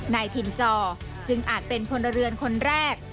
นายถิ่นจอจึงอาจเป็นพลเรือนคนแรก